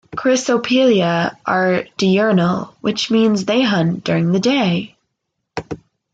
"Chrysopelea" are diurnal, which means they hunt during the day.